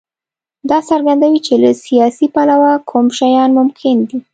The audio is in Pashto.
دا څرګندوي چې له سیاسي پلوه کوم شیان ممکن دي.